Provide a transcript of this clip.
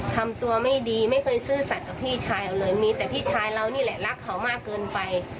ทำตัวไม่ดีไม่เคยซื่อสัตว์กับพี่ชายเราเลยมีแต่พี่ชายเรานี่แหละรักเขามากเกินไป